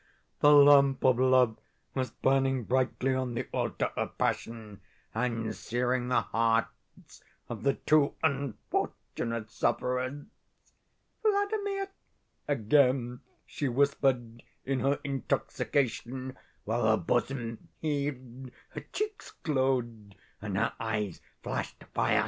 The lamp of love was burning brightly on the altar of passion, and searing the hearts of the two unfortunate sufferers. "'Vladimir!' again she whispered in her intoxication, while her bosom heaved, her cheeks glowed, and her eyes flashed fire.